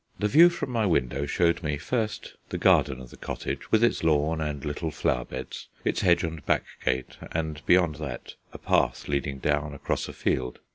The view from my window showed me, first, the garden of the cottage, with its lawn and little flower beds, its hedge and back gate, and beyond that a path leading down across a field.